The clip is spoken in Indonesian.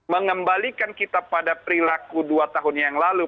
mengembalikan kita pada perilaku dua tahun yang lalu